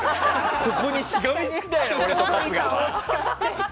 ここにしがみつきたい俺と春日は。